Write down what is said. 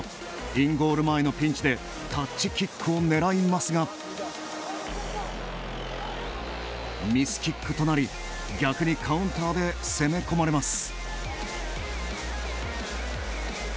インゴールの前のピンチでタッチキックを狙いますがミスキックとなり逆にカウンターで攻め込まれます。